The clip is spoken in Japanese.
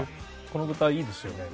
この豚いいですよね